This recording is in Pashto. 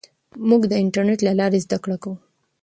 موږ د انټرنېټ له لارې زده کړه کوو.